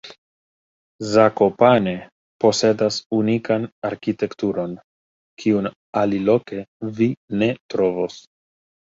Zakopane posedas unikan arkitekturon, kiun aliloke vi ne trovos.